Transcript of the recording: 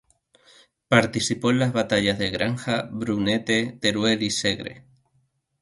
Participó en las batallas de la Granja, Brunete, Teruel y Segre.